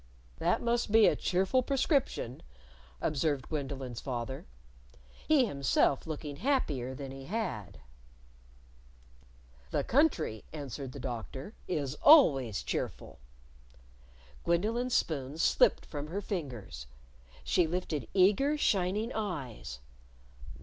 "That must be a cheerful prescription," observed Gwendolyn's father. He himself looking happier than he had. "The country," answered the Doctor, "is always cheerful." Gwendolyn's spoon slipped from her fingers. She lifted eager, shining eyes.